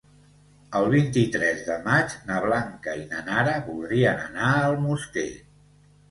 El vint-i-tres de maig na Blanca i na Nara voldrien anar a Almoster.